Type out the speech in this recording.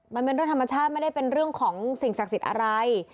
มันเป็นเรื่องธรรมชาติไม่ได้เป็นเรื่องของสิ่งศักดิ์สิทธิ์อะไร